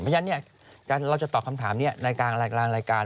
เพราะฉะนั้นเราจะตอบคำถามนี้ในกลางรายการ